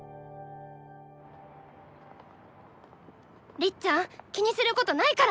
りっちゃん気にすることないからね！